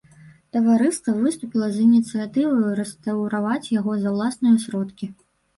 Таварыства выступіла з ініцыятываю рэстаўраваць яго за ўласныя сродкі.